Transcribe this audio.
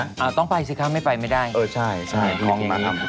น้องไปสิครับไม่ไปไม่ได้เออใช่น้องมาทำทุกอย่าง